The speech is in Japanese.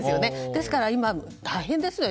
ですから今、大変ですよ。